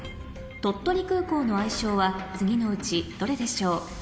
鳥取空港の愛称は次のうちどれでしょう？